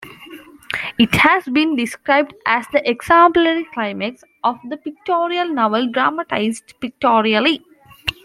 It has been described as the "exemplary climax" of "the pictorial novel dramatized pictorially".